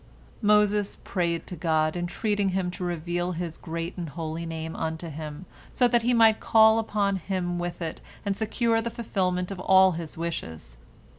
" Moses prayed to God, entreating Him to reveal His Great and Holy Name unto him, so that he might call upon Him with it and secure the fulfilment of all his wishes.